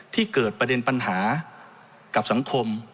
ที่เกิดประเด็นปัญหากับสังคม